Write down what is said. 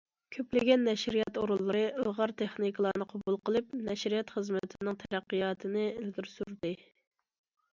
كۆپلىگەن نەشرىيات ئورۇنلىرى ئىلغار تېخنىكىلارنى قوبۇل قىلىپ، نەشرىيات خىزمىتىنىڭ تەرەققىياتىنى ئىلگىرى سۈردى.